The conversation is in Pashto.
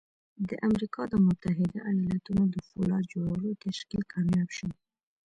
د امريکا د متحده ايالتونو د پولاد جوړولو تشکيل کامياب شو.